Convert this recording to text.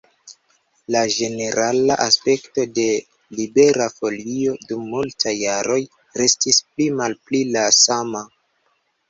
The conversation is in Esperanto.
La ĝenerala aspekto de Libera Folio dum multaj jaroj restis pli-malpli la sama.